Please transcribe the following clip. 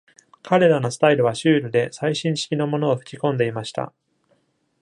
彼らのスタイルはシュールで、最新式のものを吹き込んでいました。